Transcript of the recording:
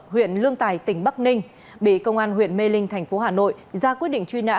huyện lương tài tỉnh bắc ninh bị công an huyện mê linh thành phố hà nội ra quyết định truy nã